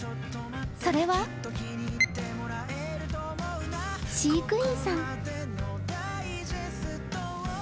それは飼育員さん。